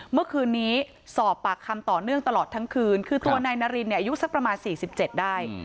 เมื่อคืนนี้สอบปากคำต่อเนื่องตลอดทั้งคืนคือตัวนายนารินเนี่ยอายุสักประมาณ๔๗ได้